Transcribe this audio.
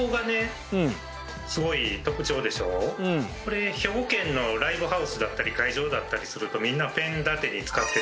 これこれ兵庫県のライブハウスだったり会場だったりするとみんなペン立てに使ってたりだとか。